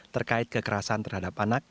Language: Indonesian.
terkait kekerasan terhadap anak